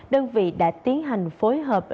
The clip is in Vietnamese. đơn vị đã tiến hành phối hợp